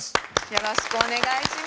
よろしくお願いします。